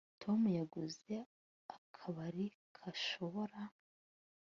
tom yaguze akabari ka shokora